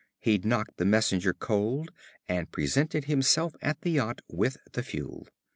He'd knocked the messenger cold and presented himself at the yacht with the fuel.